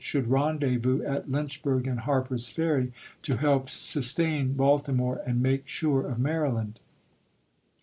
should rendezvous at Lynchburg and Harper's Ferry, to help "sustain Baltimore," and make sure of Maryland.